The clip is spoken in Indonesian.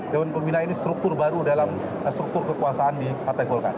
dewan pembina ini struktur baru dalam struktur kekuasaan di partai golkar